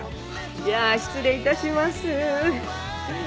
じゃあ失礼致します。